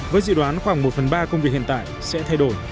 với dự đoán khoảng một phần ba công việc hiện tại sẽ thay đổi